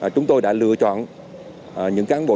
chúng tôi đã lựa chọn những cán bộ